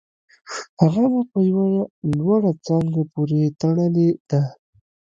هغه مو په یوه لوړه څانګه پورې تړلې ده